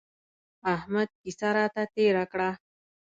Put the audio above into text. احمد کيسه راته تېره کړه.